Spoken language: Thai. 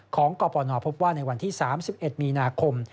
กปนพบว่าในวันที่๓๑มีนาคม